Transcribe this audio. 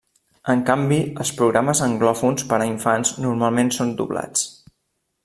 En canvi els programes anglòfons per a infants normalment són doblats.